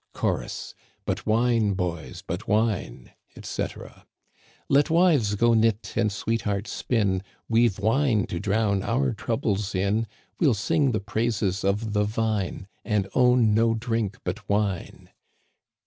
Chorus, But wine, boys, but wine ! etc. I^et wives go knit and sweethearts spin, We've wine to drown our troubles in. We'll sing the praises of the vine, And own no drink but wine